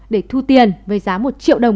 để thu tiền với giá một triệu đồng